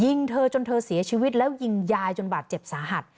ยิงเธอจนเธอเสียชีวิตแล้วยิงยายจนบาดเจ็บสาหัส